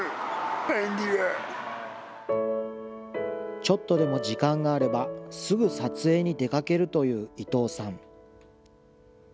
ちょっとでも時間があれば、すぐ撮影に出かけるという伊藤さん。